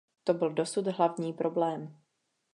To byl dosud hlavní problém.